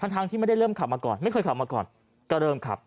ทั้งที่ไม่ได้เริ่มขับมาก่อนไม่เคยขับมาก่อนก็เริ่มขับ